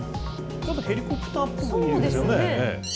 ちょっとヘリコプターっぽいですよね。